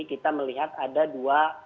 kita melihat ada dua